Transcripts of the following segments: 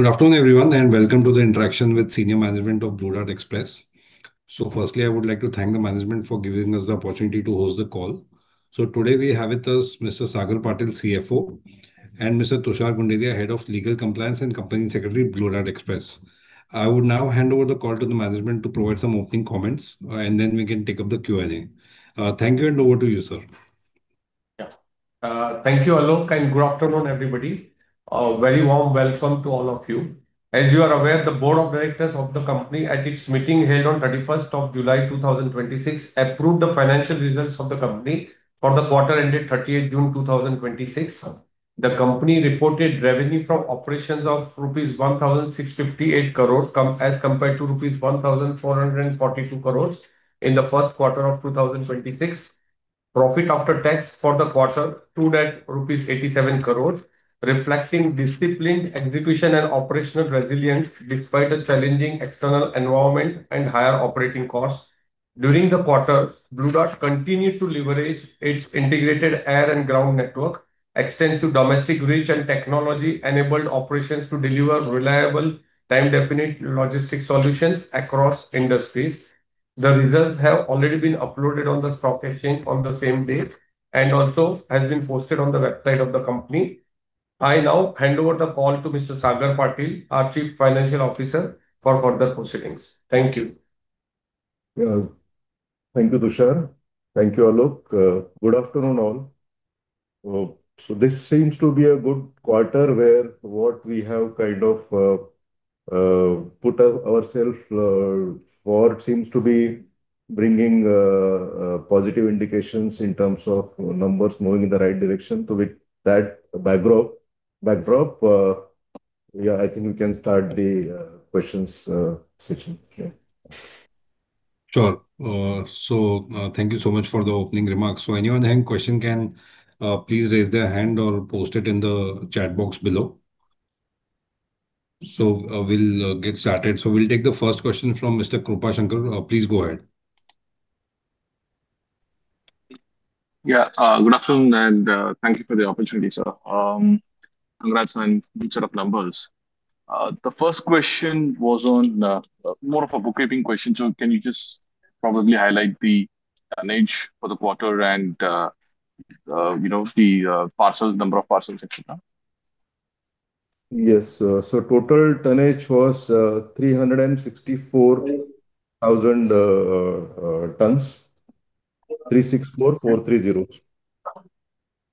Good afternoon, everyone, and welcome to the interaction with senior management of Blue Dart Express. Firstly, I would like to thank the management for giving us the opportunity to host the call. Today we have with us Mr. Sagar Patil, CFO, and Mr. Tushar Gunderia, Head of Legal, Compliance, and Company Secretary, Blue Dart Express. I would now hand over the call to the management to provide some opening comments, then we can take up the Q&A. Thank you, and over to you, sir. Thank you, Alok, and good afternoon, everybody. A very warm welcome to all of you. As you are aware, the board of directors of the company at its meeting held on 31st of July 2026, approved the financial results of the company for the quarter ending 30th June 2026. The company reported revenue from operations of rupees 1,658 crores, as compared to rupees 1,442 crores in the first quarter of 2026. Profit after tax for the quarter stood at rupees 87 crores, reflecting disciplined execution and operational resilience despite a challenging external environment and higher operating costs. During the quarter, Blue Dart continued to leverage its integrated air and ground network, extensive domestic reach, and technology-enabled operations to deliver reliable time-definite logistics solutions across industries. The results have already been uploaded on the stock exchange on the same day, also has been posted on the website of the company. I now hand over the call to Mr. Sagar Patil, our Chief Financial Officer, for further proceedings. Thank you. Thank you, Tushar. Thank you, Alok. Good afternoon, all. This seems to be a good quarter where what we have put ourself for seems to be bringing positive indications in terms of numbers moving in the right direction. With that backdrop, I think we can start the questions session. Thank you so much for the opening remarks. Anyone having question can please raise their hand or post it in the chat box below. We'll get started. We'll take the first question from Mr. Krupashankar. Please go ahead. Good afternoon, and thank you for the opportunity, sir. Congrats on each set of numbers. The first question was on more of a bookkeeping question. Can you just probably highlight the tonnage for the quarter and the number of parcels, et cetera? Yes. Total tonnage was 364,000 tons. Three six four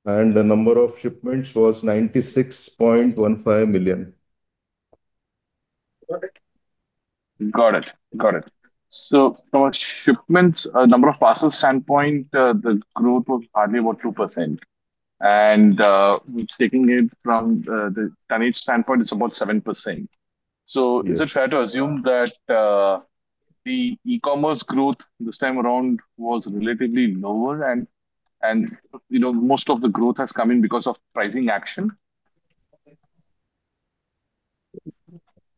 three zeros. The number of shipments was 96.15 million. Got it. From a shipments, number of parcels standpoint, the growth was hardly about 2%. Taking it from the tonnage standpoint, it's about 7%. Yes Is it fair to assume that the e-commerce growth this time around was relatively lower and most of the growth has come in because of pricing action?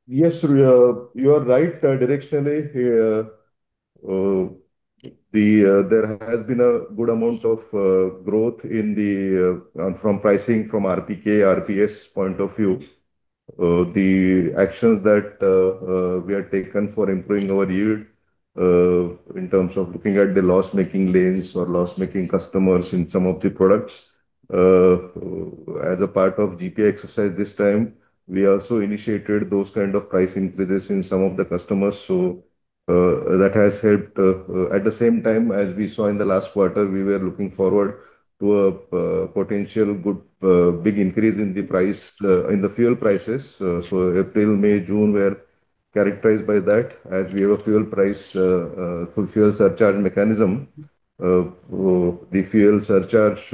Yes, sir. You are right directionally. There has been a good amount of growth from pricing, from RPK, RPS point of view. The actions that we have taken for improving our yield, in terms of looking at the loss-making lanes or loss-making customers in some of the products. As a part of GPI exercise this time, we also initiated those kind of price increases in some of the customers. That has helped. At the same time, as we saw in the last quarter, we were looking forward to a potential good, big increase in the fuel prices. April, May, June were characterized by that, as we have a fuel price, fuel surcharge mechanism. The fuel surcharge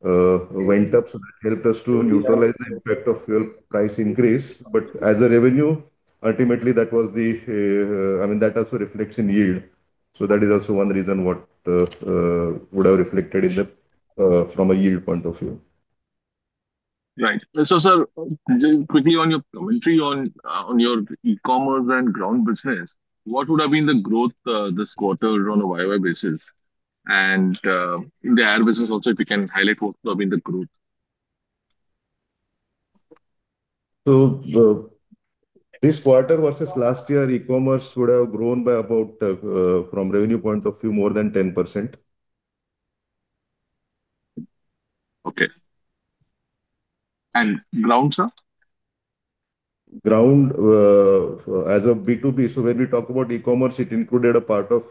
went up, that helped us to neutralize the impact of fuel price increase. As a revenue, ultimately that also reflects in yield. That is also one reason what would have reflected from a yield point of view. Right. Sir, quickly on your commentary on your e-commerce and ground business, what would have been the growth, this quarter on a YoY basis? In the air business also, if you can highlight what would have been the growth. This quarter versus last year, e-commerce would have grown by about, from revenue point of view, more than 10%. Okay. ground, sir? Ground, as a B2B, when we talk about e-commerce, it included a part of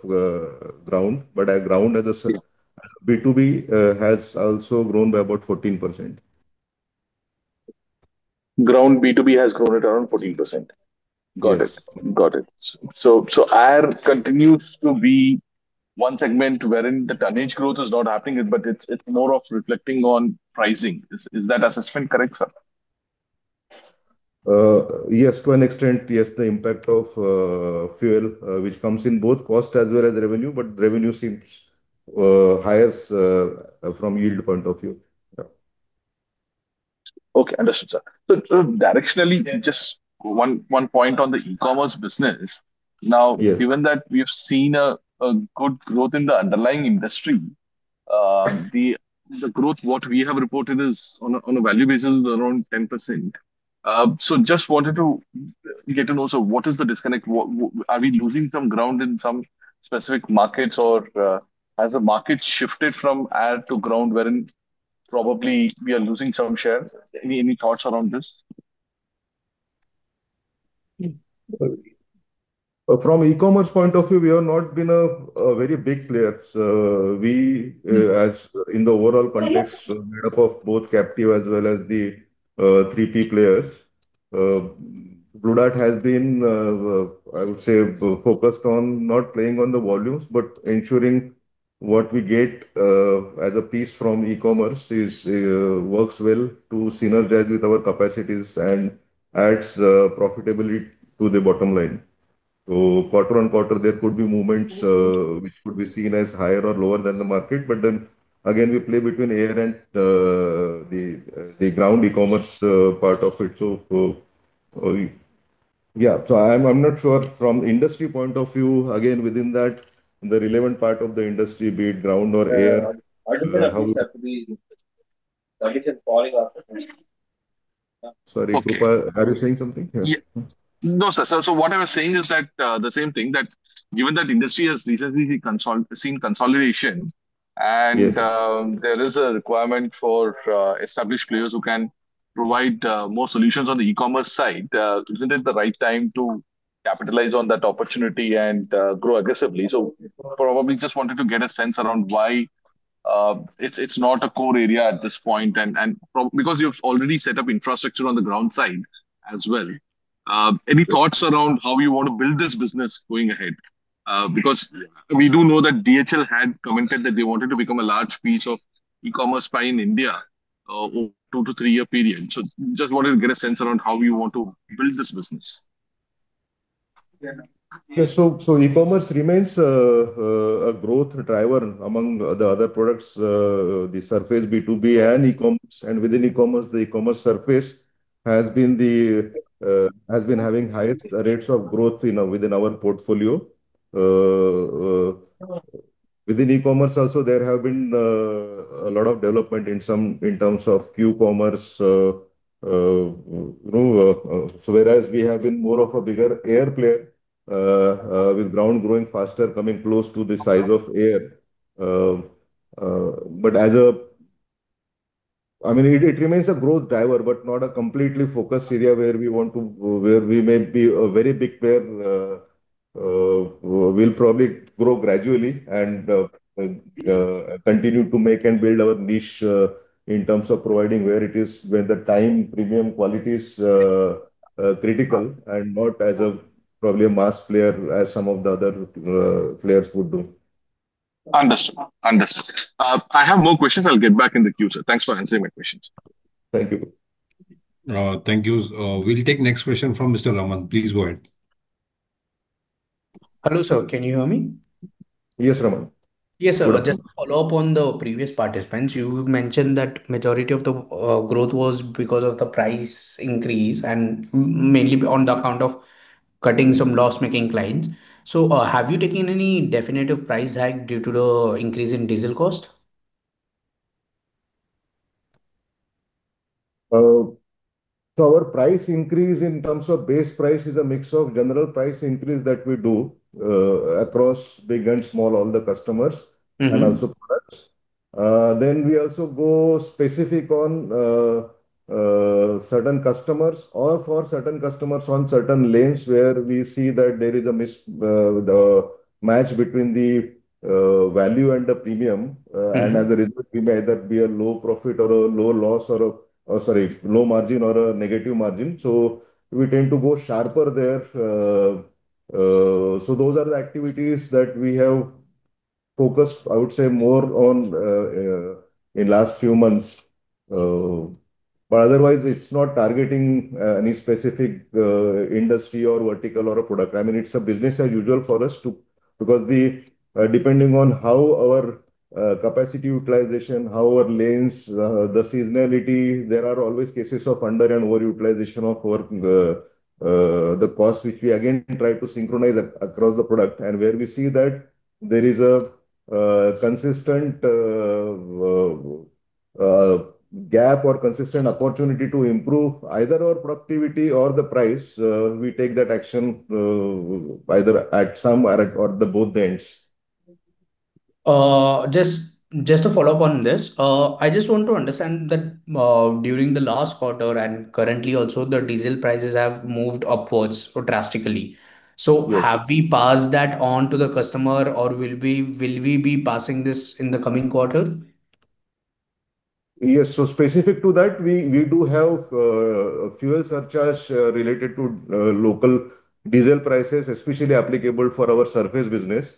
ground. But ground as a separate B2B has also grown by about 14%. Ground B2B has grown at around 14%. Yes. Got it. Air continues to be one segment wherein the tonnage growth is not happening, but it's more of reflecting on pricing. Is that assessment correct, sir? Yes, to an extent, yes. The impact of fuel which comes in both cost as well as revenue, but revenue seems higher from yield point of view. Yeah. Okay. Understood, sir. Directionally, just one point on the e-commerce business. Yeah Given that we have seen a good growth in the underlying industry. The growth what we have reported is on a value basis is around 10%. Just wanted to get to know, so what is the disconnect? Are we losing some ground in some specific markets, or has the market shifted from air to ground wherein probably we are losing some share? Any thoughts around this? From an e-commerce point of view, we have not been a very big player. We, as in the overall context, made up of both captive as well as the three key players. Blue Dart has been, I would say, focused on not playing on the volumes, but ensuring what we get as a piece from e-commerce works well to synergize with our capacities and adds profitability to the bottom line. Quarter-on-quarter, there could be movements which could be seen as higher or lower than the market, again, we play between air and the ground e-commerce part of it. I'm not sure from the industry point of view, again, within that, the relevant part of the industry, be it ground or air. Sorry. Are you saying something? Yeah. No, sir. What I was saying is that the same thing, that given that industry has recently seen consolidation. Yes There is a requirement for established players who can provide more solutions on the e-commerce side, isn't it the right time to capitalize on that opportunity and grow aggressively? Probably just wanted to get a sense around why it's not a core area at this point, and because you've already set up infrastructure on the ground side as well. Any thoughts around how you want to build this business going ahead? Because we do know that DHL had commented that they wanted to become a large piece of the e-commerce pie in India over a two to three-year period. Just wanted to get a sense around how you want to build this business. E-commerce remains a growth driver among the other products, the surface B2B and e-commerce. Within e-commerce, the e-commerce surface has been having higher rates of growth within our portfolio. Within e-commerce also, there have been a lot of development in terms of q-commerce. Whereas we have been more of a bigger air player, with ground growing faster, coming close to the size of air. It remains a growth driver, but not a completely focused area where we may be a very big player. We'll probably grow gradually and continue to make and build our niche in terms of providing where the time premium quality is critical and not as probably a mass player as some of the other players would do. Understood. I have more questions. I'll get back in the queue, sir. Thanks for answering my questions. Thank you. Thank you. We'll take the next question from Mr. Raman. Please go ahead. Hello, sir. Can you hear me? Yes, Raman. Yes, sir. Just to follow up on the previous participants, you mentioned that the majority of the growth was because of the price increase and mainly on the account of cutting some loss-making clients. Have you taken any definitive price hike due to the increase in diesel cost? Our price increase in terms of base price is a mix of general price increase that we do across big and small, all the customers. Also products. We also go specific on certain customers or for certain customers on certain lanes where we see that there is a mismatch between the value and the premium. As a result, we may either be a low profit or a low loss or a low margin or a negative margin, we tend to go sharper there. Those are the activities that we have focused, I would say, more on in the last few months. Otherwise, it's not targeting any specific industry or vertical or a product. It's business as usual for us, too, because depending on how our capacity utilization, how our lanes, the seasonality, there are always cases of under and over utilization of our cost, which we again try to synchronize across the product. Where we see that there is a consistent gap or consistent opportunity to improve either our productivity or the price, we take that action either at some or the both ends. Just to follow up on this. I just want to understand that during the last quarter and currently also, the diesel prices have moved upwards drastically. Yeah. Have we passed that on to the customer or will we be passing this in the coming quarter? Yes. Specific to that, we do have a fuel surcharge related to local diesel prices, especially applicable for our surface business.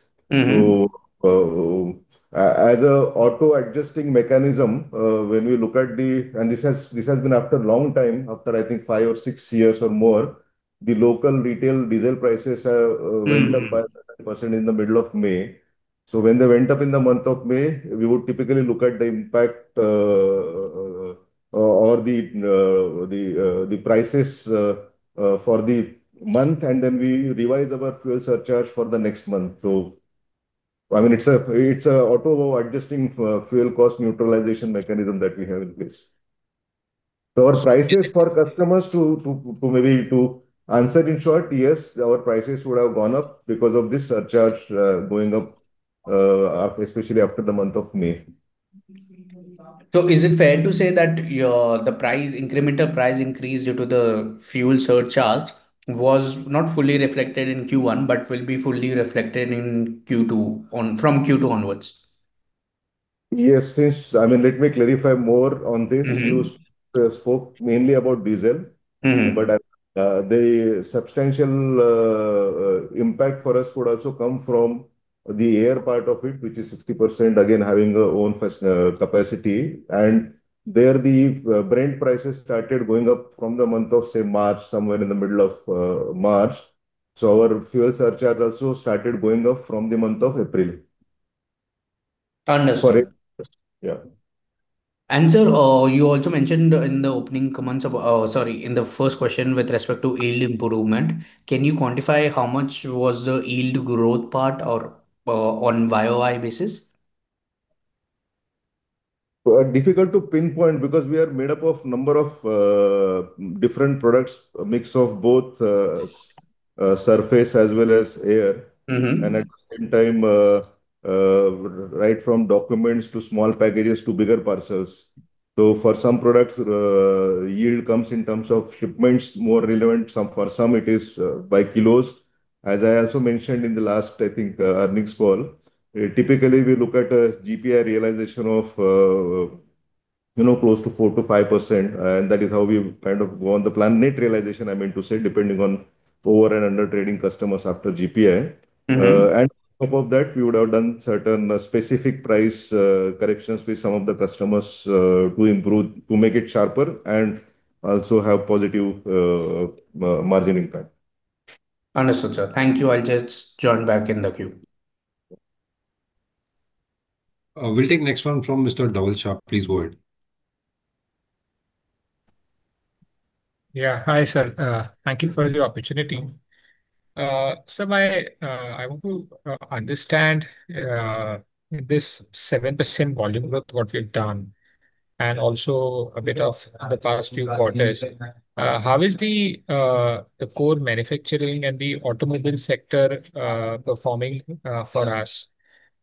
As an auto-adjusting mechanism, when we look at and this has been after a long time, after I think five or six years or more, the local retail diesel prices went up by 30% in the middle of May. When they went up in the month of May, we would typically look at the impact or the prices for the month, and then we revise our fuel surcharge for the next month. It's an auto-adjusting fuel cost neutralization mechanism that we have in place. Our prices for customers, to maybe to answer in short, yes, our prices would have gone up because of this surcharge going up, especially after the month of May. Is it fair to say that the incremental price increase due to the fuel surcharge was not fully reflected in Q1, but will be fully reflected from Q2 onwards? Yes. Let me clarify more on this. You spoke mainly about diesel. The substantial impact for us would also come from the air part of it, which is 60%, again, having our own capacity. There, the Brent prices started going up from the month of, say, March, somewhere in the middle of March. Our fuel surcharge also started going up from the month of April. Understood. For it, yes. Yeah. Sir, you also mentioned in the first question with respect to yield improvement, can you quantify how much was the yield growth part or on YoY basis? Difficult to pinpoint because we are made up of a number of different products, a mix of both surface as well as air. At the same time, right from documents to small packages to bigger parcels. For some products, yield comes in terms of shipments more relevant. For some, it is by kilos. As I also mentioned in the last, I think, earnings call, typically, we look at a GPI realization of close to 4%-5%, and that is how we kind of go on the plan. Net realization, I meant to say, depending on over and under trading customers after GPI. On top of that, we would have done certain specific price corrections with some of the customers, to make it sharper and also have positive margin impact. Understood, sir. Thank you. I will just join back in the queue. We'll take next one from Mr. Dhaval Shah. Please go ahead. Yeah. Hi, sir. Thank you for the opportunity. Sir, I want to understand this 7% volume growth what we've done, and also a bit of the past few quarters. How is the core manufacturing and the automobile sector performing for us?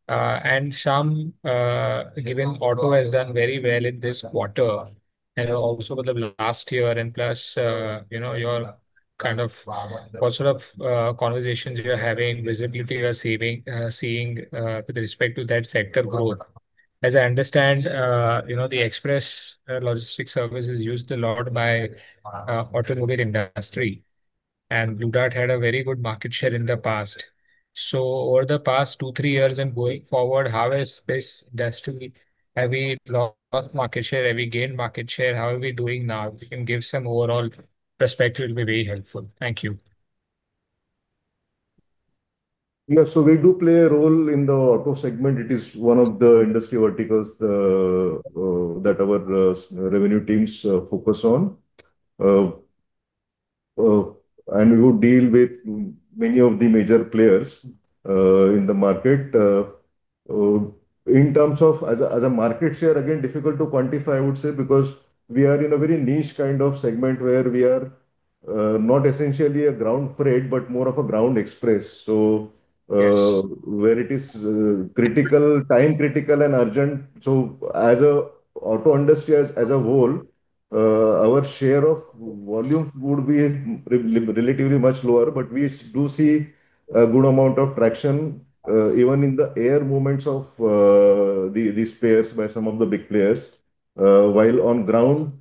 Sham, given auto has done very well in this quarter, and also with the last year and plus, what sort of conversations you are having, visibility you are seeing with respect to that sector growth. As I understand, the express logistics service is used a lot by automobile industry, and Blue Dart had a very good market share in the past. Over the past two, three years and going forward, how is this destiny? Have we lost market share? Have we gained market share? How are we doing now? If you can give some overall perspective, it will be very helpful. Thank you. Yeah. We do play a role in the auto segment. It is one of the industry verticals that our revenue teams focus on. We would deal with many of the major players in the market. In terms of as a market share, again, difficult to quantify, I would say, because we are in a very niche kind of segment where we are not essentially a ground freight, but more of a ground express. Yes where it is time-critical and urgent. As a auto industry as a whole, our share of volumes would be relatively much lower, but we do see a good amount of traction, even in the air movements of these players by some of the big players. While on ground,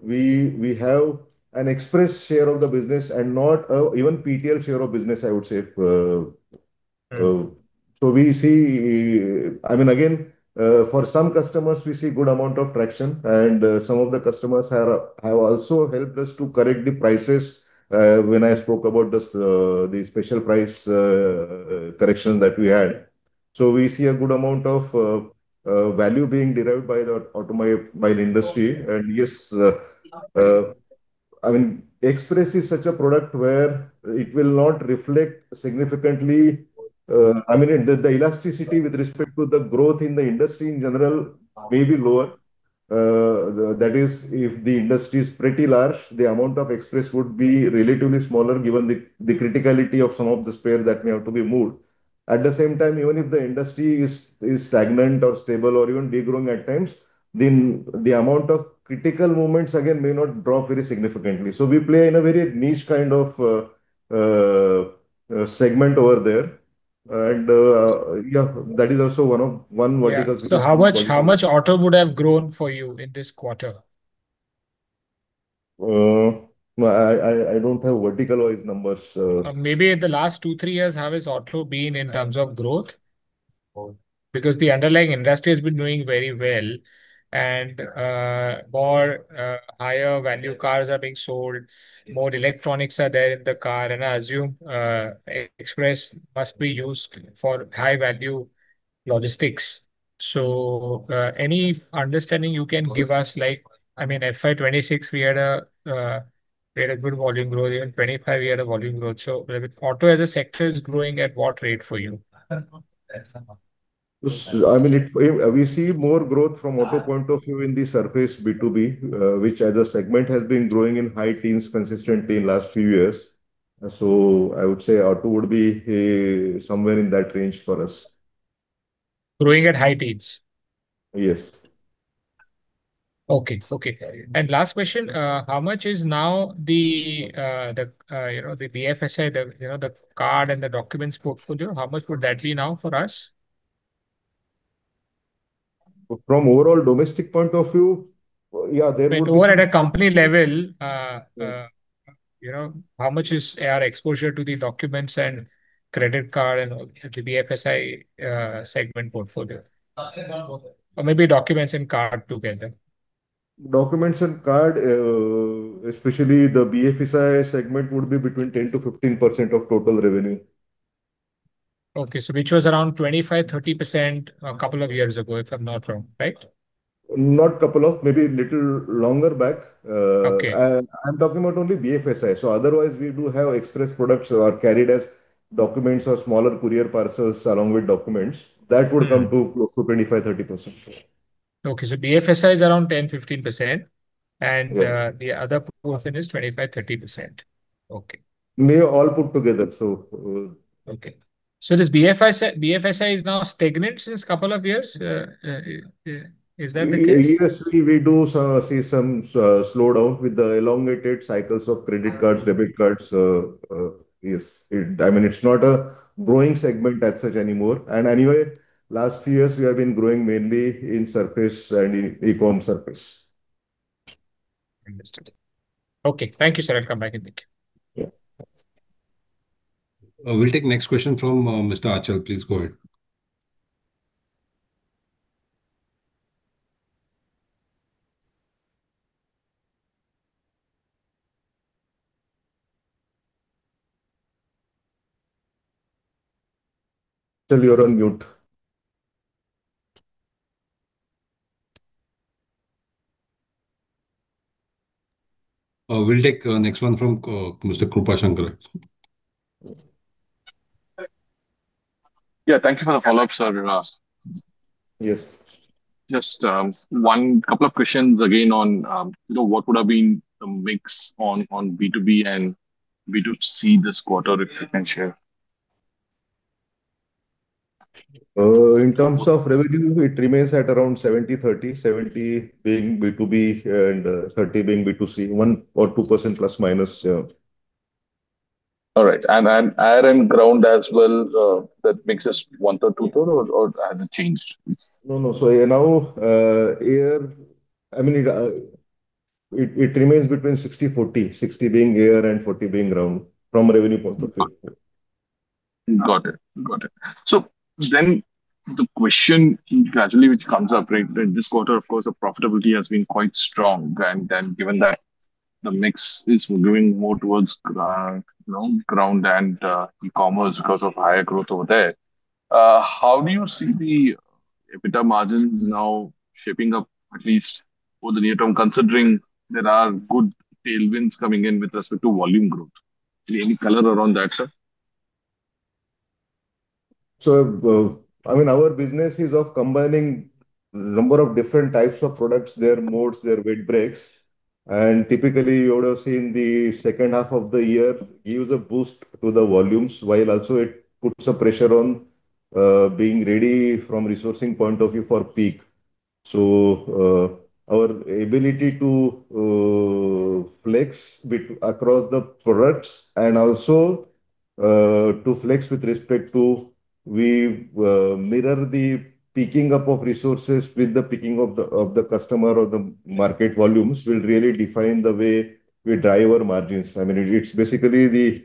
we have an express share of the business and not even PTL share of business, I would say. We see, again, for some customers, we see good amount of traction, and some of the customers have also helped us to correct the prices, when I spoke about the special price correction that we had. We see a good amount of value being derived by the automobile industry. Yes, express is such a product where it will not reflect significantly. The elasticity with respect to the growth in the industry in general may be lower. That is, if the industry is pretty large, the amount of express would be relatively smaller given the criticality of some of the spare that may have to be moved. At the same time, even if the industry is stagnant or stable or even de-growing at times, then the amount of critical movements again may not drop very significantly. We play in a very niche kind of a segment over there. Yeah, that is also one vertical. Yeah. How much auto would have grown for you in this quarter? I don't have vertical-wise numbers. Maybe in the last two, three years, how has auto been in terms of growth? Because the underlying industry has been doing very well, and more higher value cars are being sold, more electronics are there in the car, and I assume express must be used for high-value logistics. Any understanding you can give us like, FY 2026, we had a good volume growth. Even FY 2025, we had a volume growth. Auto as a sector is growing at what rate for you? I mean, we see more growth from auto point of view in the surface B2B, which as a segment has been growing in high teens consistently in last few years. I would say auto would be somewhere in that range for us. Growing at high teens? Yes. Okay. Last question, how much is now the BFSI, the card and the documents portfolio, how much would that be now for us? From overall domestic point of view? Yeah. More at a company level, how much is our exposure to the documents and credit card and the BFSI segment portfolio? Documents and card. Maybe documents and card together. Documents and card, especially the BFSI segment, would be between 10%-15% of total revenue. Okay. Which was around 25%-30% a couple of years ago, if I'm not wrong. Right? Not couple of, maybe little longer back. Okay. I'm talking about only BFSI. Otherwise, we do have express products that are carried as documents or smaller courier parcels along with documents, that would come to 25%-30%. Okay. BFSI is around 10%-15%. Yes. The other portion is 25%-30%. Okay. May all put together. Okay. This BFSI is now stagnant since couple of years. Is that the case? Yes. We do see some slowdown with the elongated cycles of credit cards, debit cards. Yes. It's not a growing segment as such anymore. Anyway, last few years, we have been growing mainly in surface and eCom surface. Understood. Okay. Thank you, sir. I'll come back in the queue. Yeah. We'll take next question from Mr. Achal. Please go ahead. Sir, you're on mute. We'll take next one from Mr. Krupashankar. Yeah. Thank you for the follow-up, sir, last. Yes. Just one couple of questions again on, what would have been the mix on B2B and B2C this quarter, if you can share. In terms of revenue, it remains at around 70/30. 70 being B2B and 30 being B2C. 1% or 2%±. All right. air and ground as well, that makes us 1/3, 2/3, or has it changed? No. now, air, it remains between 60/40. 60 being air and 40 being ground from revenue point of view. Got it. The question gradually which comes up, this quarter, of course, the profitability has been quite strong. given that the mix is moving more towards ground and e-commerce because of higher growth over there, how do you see the EBITDA margins now shaping up at least for the near term, considering there are good tailwinds coming in with respect to volume growth? Any color around that, sir? Our business is of combining number of different types of products, their modes, their weight breaks, and typically, you would have seen the second half of the year gives a boost to the volumes while also it puts a pressure on being ready from resourcing point of view for peak. our ability to flex bit across the products and also to flex with respect to, we mirror the picking up of resources with the picking of the customer or the market volumes will really define the way we drive our margins. It's basically the,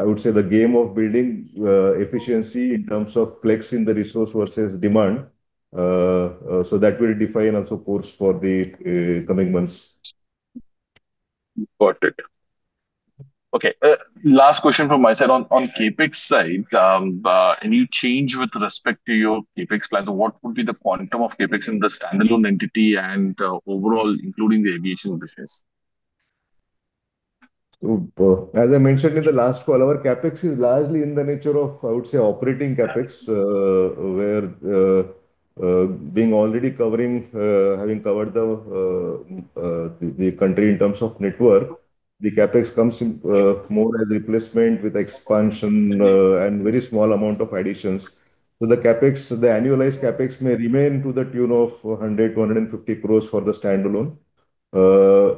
I would say, the game of building efficiency in terms of flexing the resource versus demand. that will define also course for the coming months. Got it. Okay. Last question from my side. On CapEx side, any change with respect to your CapEx plans or what would be the quantum of CapEx in the standalone entity and overall, including the aviation business? As I mentioned in the last call, our CapEx is largely in the nature of, I would say, operating CapEx, where being already covering, having covered the country in terms of network, the CapEx comes in more as replacement with expansion and very small amount of additions. The annualized CapEx may remain to the tune of 100 crore-150 crore for the standalone.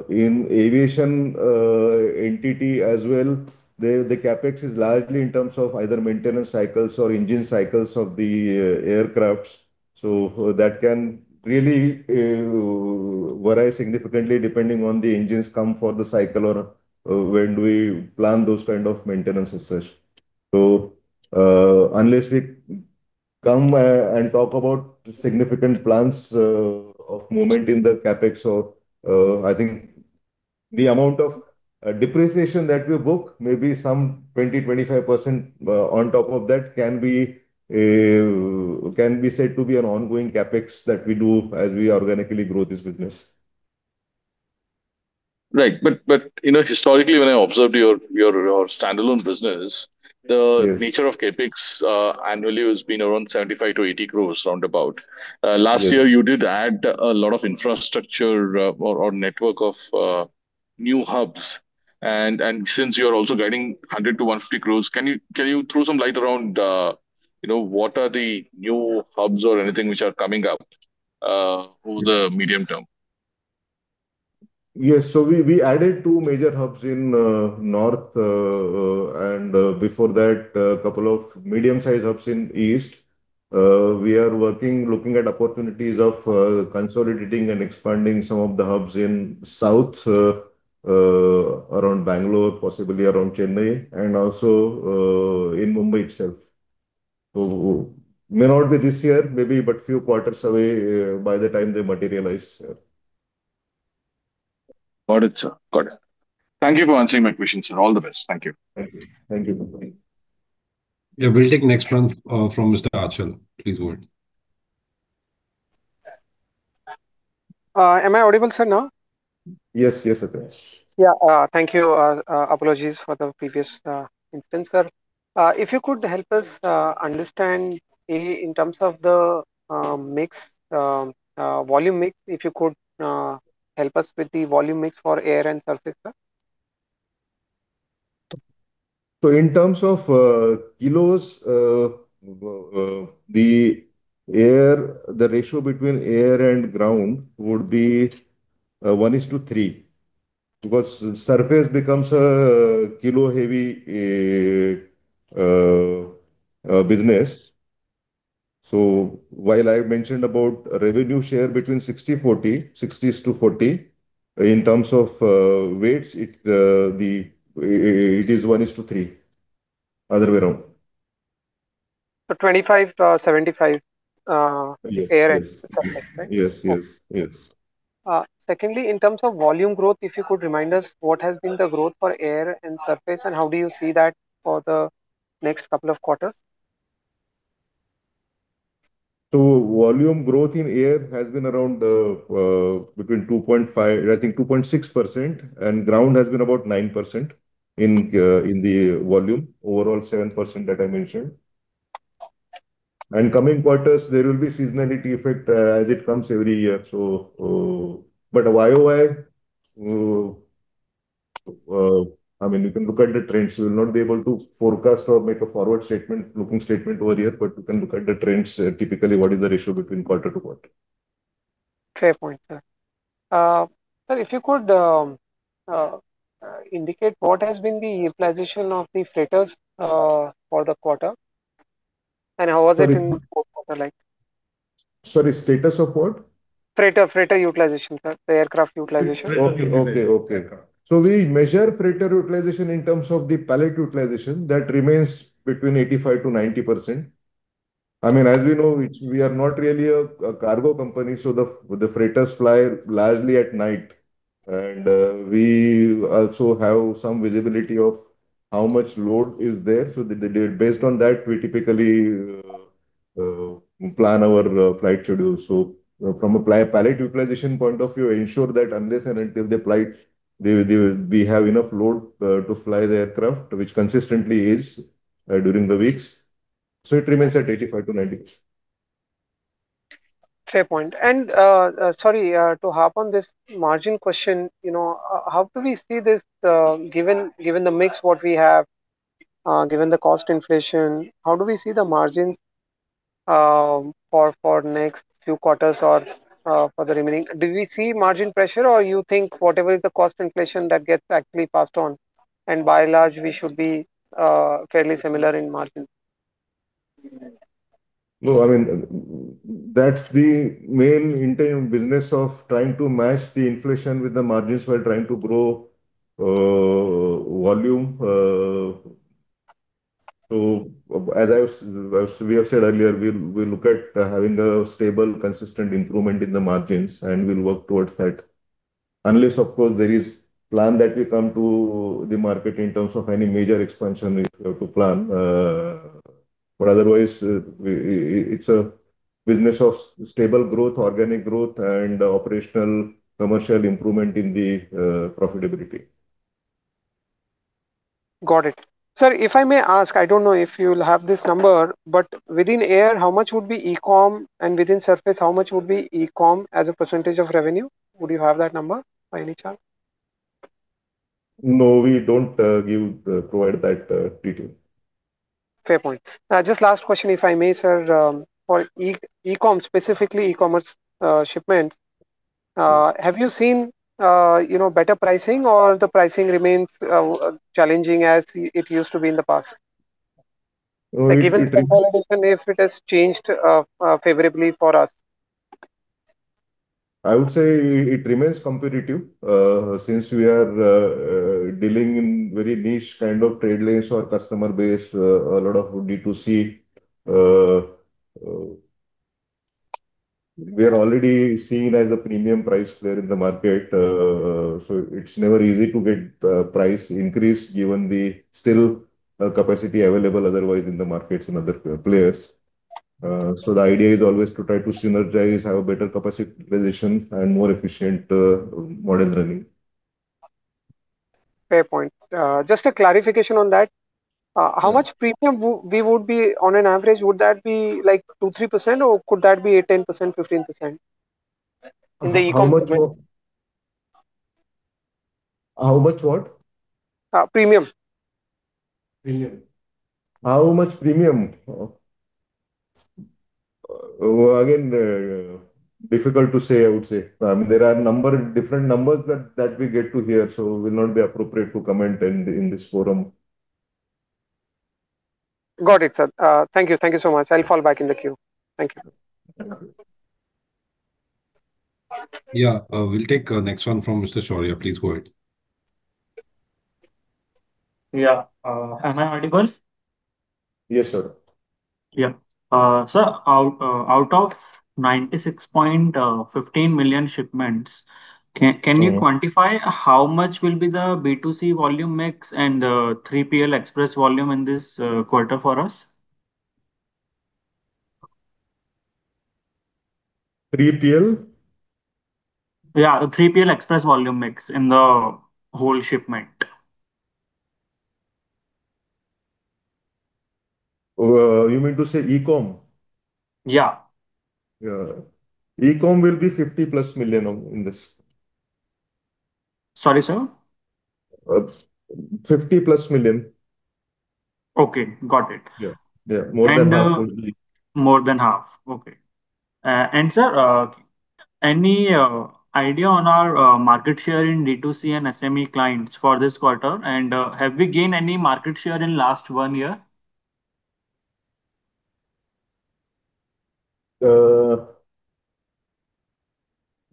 In aviation entity as well, the CapEx is largely in terms of either maintenance cycles or engine cycles of the aircrafts. That can really vary significantly depending on the engines come for the cycle or when do we plan those kind of maintenance as such. Unless we come and talk about significant plans of movement in the CapEx, so I think the amount of depreciation that we book, maybe some 20%-25% on top of that can be said to be an ongoing CapEx that we do as we organically grow this business. Right. Historically, when I observed your standalone business. Yes the nature of CapEx annually has been around 75 crores-80 crores round about. Yes. Last year you did add a lot of infrastructure or network of new hubs. Since you're also guiding 100 crores-150 crores, can you throw some light around what are the new hubs or anything which are coming up over the medium term? Yes. We added two major hubs in North, and before that, a couple of medium-sized hubs in East. We are working, looking at opportunities of consolidating and expanding some of the hubs in South, around Bangalore, possibly around Chennai, and also in Mumbai itself. May not be this year, maybe, but few quarters away by the time they materialize. Got it, sir. Got it. Thank you for answering my questions, sir. All the best. Thank you. Thank you. Yeah. We'll take next one from Mr. Achal. Please go ahead. Am I audible, sir, now? Yes. Yes, Achal. Yeah. Thank you. Apologies for the previous instance, sir. If you could help us understand in terms of the volume mix, if you could help us with the volume mix for air and surface, sir. In terms of kilos, the ratio between air and ground would be 1:3, because surface becomes a kilo-heavy business. While I mentioned about revenue share between 60/40, 60/40, in terms of weights, it is 1:3. Other way around. 25/75- Yes air and surface, right? Yes. Secondly, in terms of volume growth, if you could remind us what has been the growth for air and surface, and how do you see that for the next couple of quarters? Volume growth in air has been around between 2.5%, I think 2.6%, and ground has been about 9% in the volume. Overall, 7% that I mentioned. Coming quarters, there will be seasonality effect as it comes every year. A YoY, you can look at the trends. We will not be able to forecast or make a forward statement, looking statement over here, but you can look at the trends, typically what is the ratio between quarter-to-quarter. Fair point, sir. Sir, if you could indicate what has been the utilization of the freighters for the quarter. Sorry, status of what? Freighter utilization, sir. The aircraft utilization. We measure freighter utilization in terms of the pallet utilization. That remains between 85%-90%. As we know, we are not really a cargo company. The freighters fly largely at night. We also have some visibility of how much load is there. Based on that, we typically plan our flight schedule. From a pallet utilization point of view, ensure that unless and until the flight, we have enough load to fly the aircraft, which consistently is during the weeks. It remains at 85%-90%. Fair point. Sorry, to harp on this margin question, how do we see this given the mix what we have, given the cost inflation, how do we see the margins for next few quarters or for the remaining? Do we see margin pressure, or you think whatever is the cost inflation that gets actually passed on? By and large, we should be fairly similar in margin? No, that's the main entire business of trying to match the inflation with the margins while trying to grow volume. As we have said earlier, we'll look at having a stable, consistent improvement in the margins, and we'll work towards that. Unless, of course, there is plan that we come to the market in terms of any major expansion if we have to plan. Otherwise, it's a business of stable growth, organic growth, and operational commercial improvement in the profitability. Got it. Sir, if I may ask, I don't know if you'll have this number, but within air, how much would be eCom, and within surface, how much would be eCom as a percent of revenue? Would you have that number, by any chance? No, we don't provide that detail. Fair point. Just last question, if I may, sir. For eCom, specifically e-commerce shipments, have you seen better pricing or the pricing remains challenging as it used to be in the past? We- Given consolidation, if it has changed favorably for us. I would say it remains competitive, since we are dealing in very niche kind of trade lanes or customer base, a lot of D2C We are already seen as a premium price player in the market, so it's never easy to get price increase given the capacity still available otherwise in the markets in other players. The idea is always to try to synergize, have a better capitalization, and more efficient model running. Fair point. Just a clarification on that. How much premium we would be on an average? Would that be 2%, 3%, or could that be a 10%, 15% in the eCom-? How much what? Premium. Premium. How much premium? Again, difficult to say, I would say. There are different numbers that we get to hear, so it will not be appropriate to comment in this forum. Got it, sir. Thank you. Thank you so much. I'll fall back in the queue. Thank you. Okay. Yeah. We'll take next one from Mr. Surya. Please go ahead. Yeah. Am I audible? Yes, sir. Yeah. Sir, out of 96.15 million shipments. Okay Can you quantify how much will be the B2C volume mix and the 3PL express volume in this quarter for us? 3PL? Yeah, 3PL express volume mix in the whole shipment. You mean to say eCom? Yeah. Yeah. eCom will be 50 million in this. Sorry, sir? 50 million. Okay, got it. Yeah. More than half would be. More than half. Okay. Sir, any idea on our market share in D2C and SME clients for this quarter? Have we gained any market share in last one year?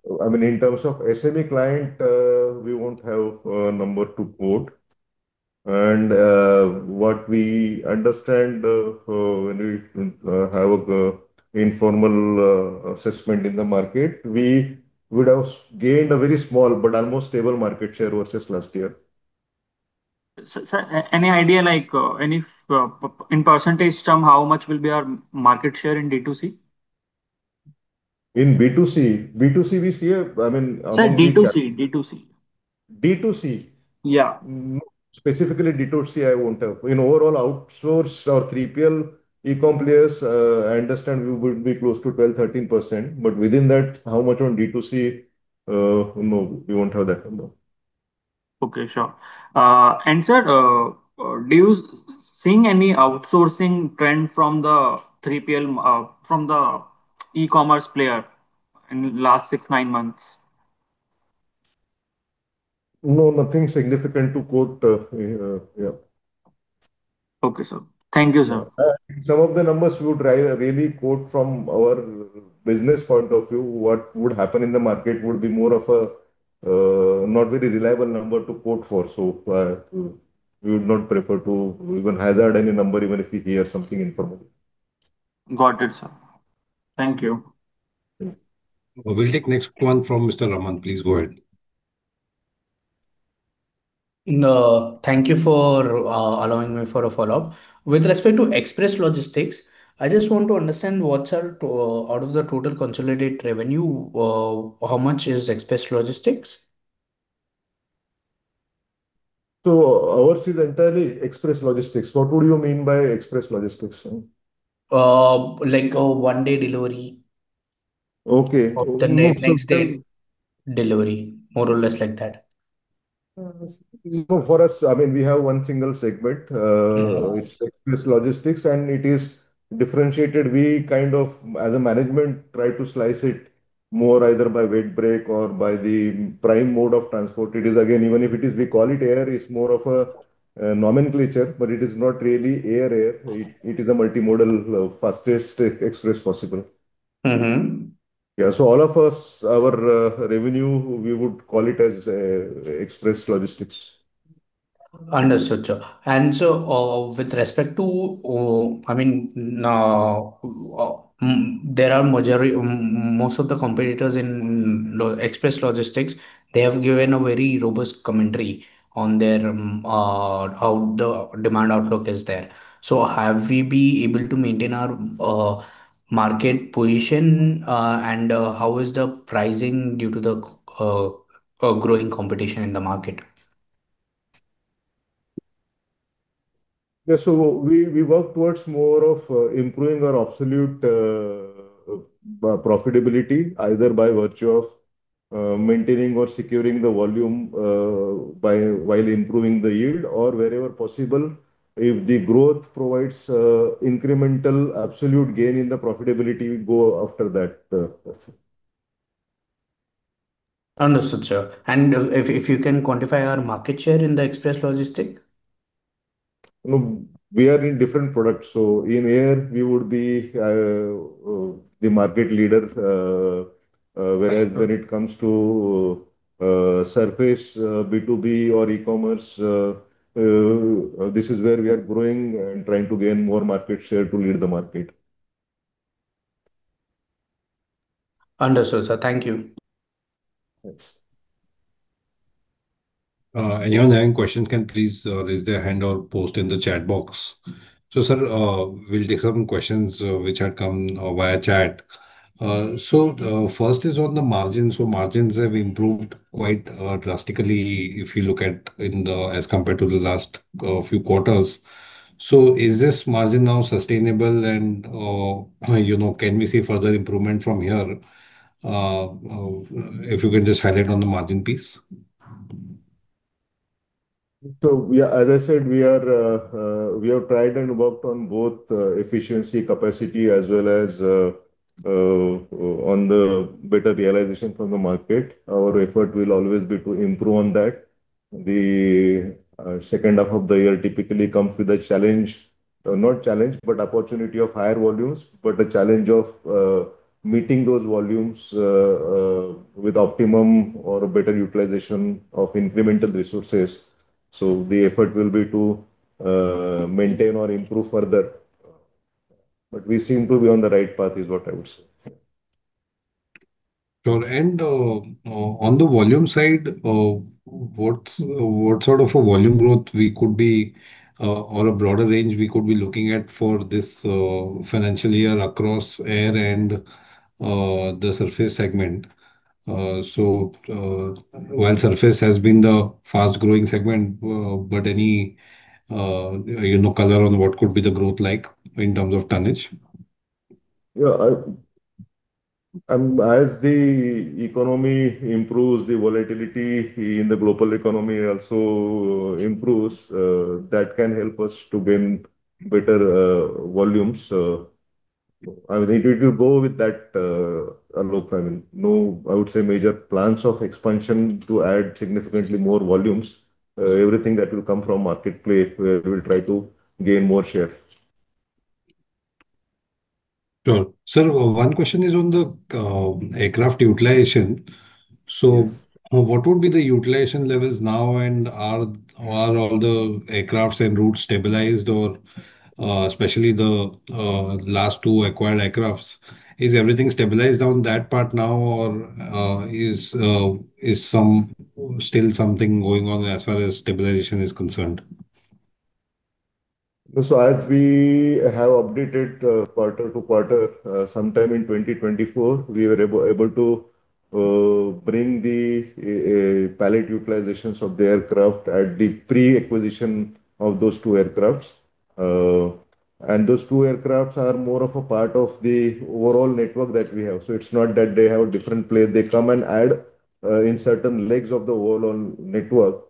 In terms of SME client, we won't have a number to quote. What we understand, when we have informal assessment in the market, we would have gained a very small but almost stable market share versus last year. Sir, any idea, like, in percentage term, how much will be our market share in D2C? In B2C? B2C, we see a, I mean. Sir, D2C. D2C. D2C? Yeah. Specifically D2C, I won't have. In overall outsource or 3PL eCom players, I understand we would be close to 12%-13%. Within that, how much on D2C, no, we won't have that number. Okay. Sure. sir, do you seeing any outsourcing trend from the 3PL, from the e-commerce player in last six, nine months? No, nothing significant to quote here. Yeah. Okay, sir. Thank you, sir. Some of the numbers we would really quote from our business point of view, what would happen in the market would be more of a not very reliable number to quote for. We would not prefer to even hazard any number, even if we hear something informally. Got it, sir. Thank you. Yeah. We'll take next one from Mr. Raman. Please go ahead. Thank you for allowing me for a follow-up. With respect to express logistics, I just want to understand what are, out of the total consolidated revenue, how much is express logistics? Ours is entirely express logistics. What would you mean by express logistics? Like a one-day delivery. Okay. The next day delivery, more or less like that. For us, we have one single segment, which is express logistics, and it is differentiated. We, as a management, try to slice it more either by weight break or by the prime mode of transport. It is, again, even if we call it air, it's more of a nomenclature, but it is not really air-air. It is a multimodal, fastest express possible. Yeah. All of our revenue, we would call it as express logistics. Understood, sir. Most of the competitors in express logistics, they have given a very robust commentary on how the demand outlook is there. Have we been able to maintain our market position, and how is the pricing due to the growing competition in the market? Yeah. We work towards more of improving our absolute profitability, either by virtue of maintaining or securing the volume while improving the yield or, wherever possible, if the growth provides incremental absolute gain in the profitability, we go after that. That's it. Understood, sir. If you can quantify our market share in the express logistics? We are in different products. In air, we would be the market leader. Whereas when it comes to surface B2B or e-commerce, this is where we are growing and trying to gain more market share to lead the market. Understood, sir. Thank you. Thanks. Anyone having questions can please raise their hand or post in the chat box. Sir, we'll take some questions which had come via chat. First is on the margins. Margins have improved quite drastically if you look at as compared to the last few quarters. Is this margin now sustainable and can we see further improvement from here? If you can just highlight on the margin piece. Yeah, as I said, we have tried and worked on both efficiency capacity as well as on the better realization from the market. Our effort will always be to improve on that. The second half of the year typically comes with a challenge, not challenge, but opportunity of higher volumes, but the challenge of meeting those volumes with optimum or better utilization of incremental resources. The effort will be to maintain or improve further. We seem to be on the right path, is what I would say. Sure. On the volume side, what sort of a volume growth we could be, or a broader range we could be looking at for this financial year across air and the surface segment? While surface has been the fast-growing segment, but any color on what could be the growth like in terms of tonnage? Yeah. As the economy improves, the volatility in the global economy also improves. That can help us to gain better volumes. I think it will go with that look. I would say major plans of expansion to add significantly more volumes. Everything that will come from marketplace, where we'll try to gain more share. Sure. Sir, one question is on the aircraft utilization. Yes. What would be the utilization levels now, and are all the aircrafts and routes stabilized, especially the last two acquired aircrafts. Is everything stabilized on that part now, or is still something going on as far as stabilization is concerned? As we have updated quarter-to-quarter, sometime in 2024, we were able to bring the pallet utilizations of the aircraft at the pre-acquisition of those two aircrafts. Those two aircrafts are more of a part of the overall network that we have. It's not that they have a different place. They come and add in certain legs of the overall network.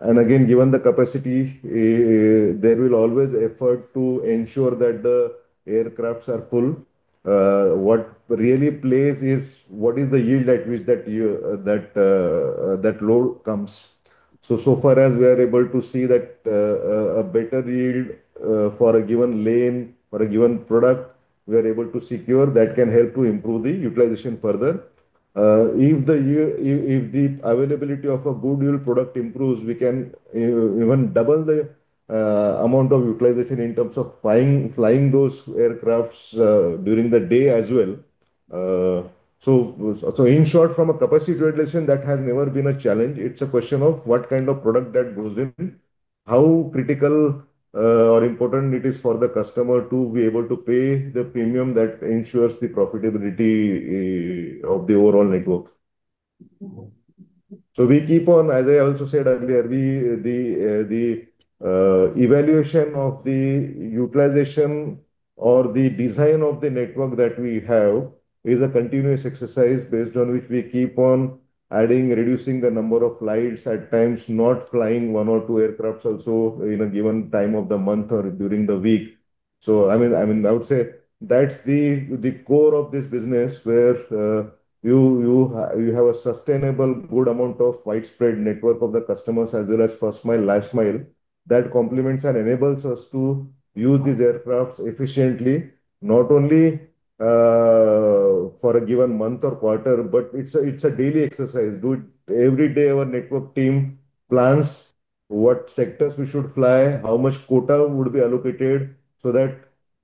Again, given the capacity, there will always effort to ensure that the aircrafts are full. What really plays is what is the yield at which that load comes. So far as we are able to see that a better yield for a given lane, for a given product, we are able to secure, that can help to improve the utilization further. If the availability of a good yield product improves, we can even double the amount of utilization in terms of flying those aircrafts during the day as well. In short, from a capacity utilization, that has never been a challenge. It's a question of what kind of product that goes in, how critical or important it is for the customer to be able to pay the premium that ensures the profitability of the overall network. We keep on, as I also said earlier, the evaluation of the utilization or the design of the network that we have is a continuous exercise based on which we keep on adding, reducing the number of flights at times, not flying one or two aircrafts also in a given time of the month or during the week. I would say that's the core of this business where you have a sustainable good amount of widespread network of the customers as well as first-mile, last-mile, that complements and enables us to use these aircrafts efficiently, not only for a given month or quarter, but it's a daily exercise. Every day our network team plans what sectors we should fly, how much quota would be allocated so that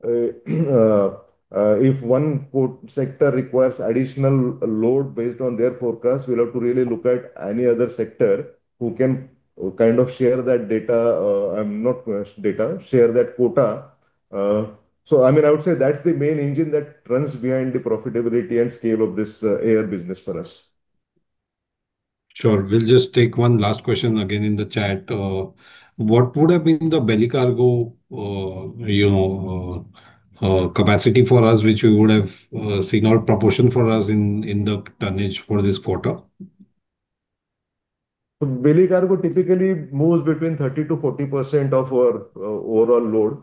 if one sector requires additional load based on their forecast, we'll have to really look at any other sector who can share that quota. I would say that's the main engine that runs behind the profitability and scale of this air business for us. Sure. We'll just take one last question again in the chat. What would have been the belly cargo capacity for us, which we would have seen, or proportion for us in the tonnage for this quarter? Belly cargo typically moves between 30%-40% of our overall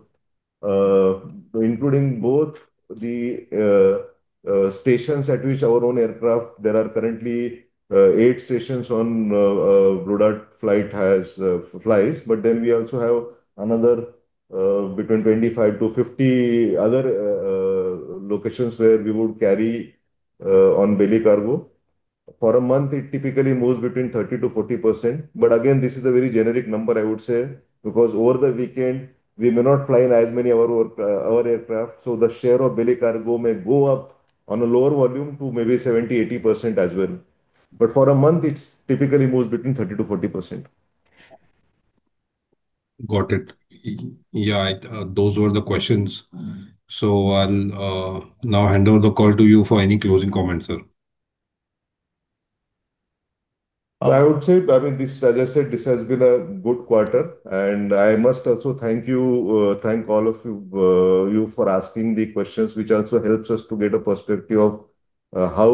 load, including both the stations at which our own aircraft, there are currently eight stations on Blue Dart flight flies. We also have another between 25-50 other locations where we would carry on belly cargo. For a month, it typically moves between 30%-40%. Again, this is a very generic number I would say, because over the weekend, we may not fly in as many our aircraft, so the share of belly cargo may go up on a lower volume to maybe 70%-80% as well. For a month, it typically moves between 30%-40%. Got it. Yeah, those were the questions. I'll now hand over the call to you for any closing comments, sir. As I said, this has been a good quarter, and I must also thank you, thank all of you for asking the questions, which also helps us to get a perspective of how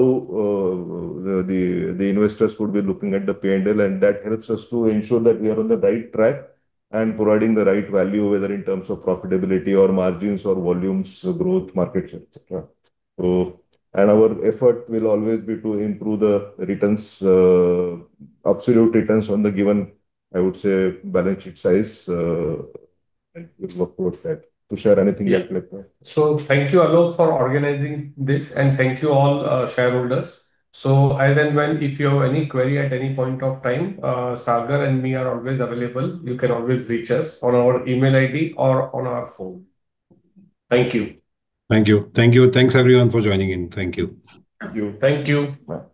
the investors would be looking at the P&L, and that helps us to ensure that we are on the right track and providing the right value, whether in terms of profitability or margins or volumes, growth, market share, et cetera. Our effort will always be to improve the absolute returns on the given, I would say, balance sheet size. We'll work towards that. Do you share anything, Tushar? Thank you Alok for organizing this, and thank you all shareholders. As and when, if you have any query at any point of time, Sagar and me are always available. You can always reach us on our email ID or on our phone. Thank you. Thank you. Thank you. Thanks everyone for joining in. Thank you. Thank you. Thank you.